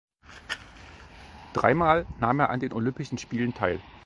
Dreimal nahm an er Olympischen Spielen teil.